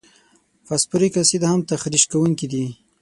فاسفوریک اسید هم تخریش کوونکي دي.